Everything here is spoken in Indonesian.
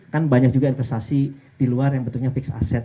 kan banyak juga investasi di luar yang betulnya fixed asset